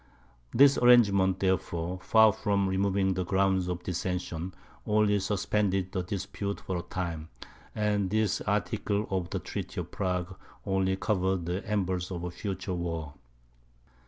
This arrangement, therefore, far from removing the grounds of dissension, only suspended the dispute for a time; and this article of the treaty of Prague only covered the embers of a future war.